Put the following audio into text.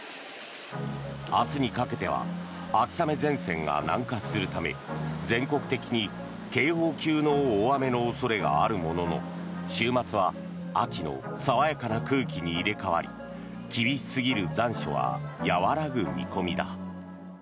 明日にかけては秋雨前線が南下するため全国的に警報級の大雨の恐れがあるものの週末は秋の爽やかな空気に入れ替わり厳しすぎる残暑は和らぐ見込みだ。